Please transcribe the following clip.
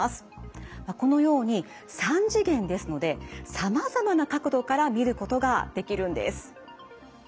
このように３次元ですのでさまざまな角度から見ることができるんです。